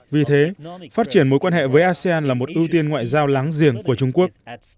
vì thế phát triển mối quan hệ với asean là một ưu tiên ngoại giao láng giềng của trung quốc